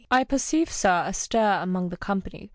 — I perceive, sir, a stir among the company.